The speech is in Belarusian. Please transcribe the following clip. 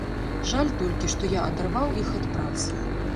Жаль толькі, што я адарваў іх ад працы.